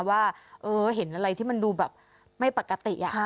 ว่าเห็นอะไรที่มันดูแบบไม่ปกติ